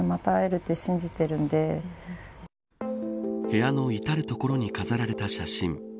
部屋の至る所に飾られた写真。